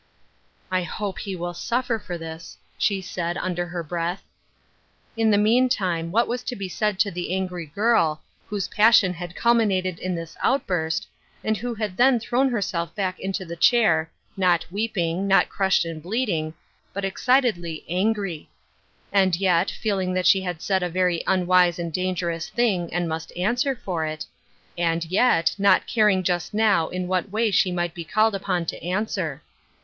" I hope he will suffer for this," she said, under her breath. In the meantime what was to be said to the angry girl, whose passion had culminated in this outburst, and who then had thrown herself back into the chair, not weeping, not crushed and bleeding, but excitedly angry. And yet, feeling that she had said a very unwise and dangerous thing, and, must answer for it — and yet not car ing just now in what way she might be called upon to answer.